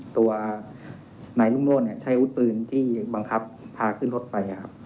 ตัวไหนรุ่งโล่นใช้อุดปืนที่บังคับพาขึ้นรถไปครับ